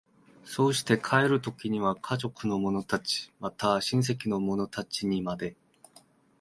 そうして帰る時には家族の者たち、また親戚の者たちにまで、